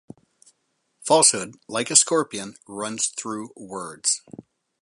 Falsehood, like a scorpion, runs through words.